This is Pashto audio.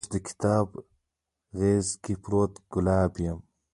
اوس دکتاب غیز کې پروت ګلاب یمه